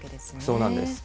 そうなんです。